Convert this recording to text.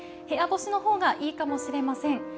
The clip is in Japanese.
部屋干しの方がいいかもしれません。